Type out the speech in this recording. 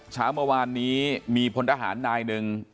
เช้าเมื่อวานนี้มีพลทหารนายหนึ่ง